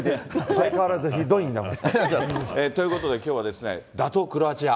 相変わらずひどいんだもん。ということで、きょうは打倒クロアチア。